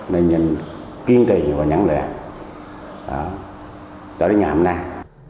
nên anh kiên trì và nhẵn lệ tới đến ngày hôm nay